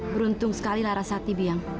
beruntung sekali larasati